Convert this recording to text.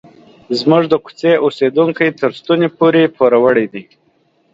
زموږ د کوڅې اوسیدونکي تر ستوني پورې پوروړي دي.